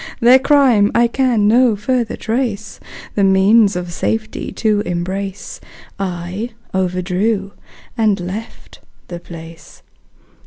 Their crime I can no further trace The means of safety to embrace, I overdrew and left the place.